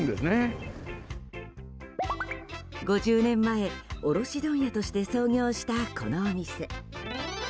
５０年前卸問屋として創業したこのお店。